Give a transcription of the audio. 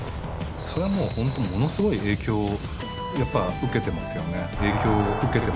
そりゃもうほんとものすごい影響をやっぱ受けてますよね。